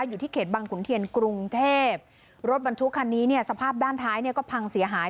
อยู่ที่เขตบังขุนเทียนกรุงเทพรถบรรทุกคันนี้เนี่ยสภาพด้านท้ายเนี่ยก็พังเสียหาย